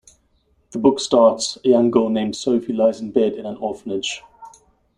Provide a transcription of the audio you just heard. The book starts, a young girl named Sophie lies in bed in an orphanage.